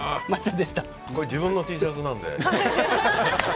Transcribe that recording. これは自分のＴシャツなので。